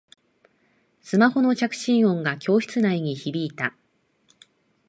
スマホの着信音が教室内に響いた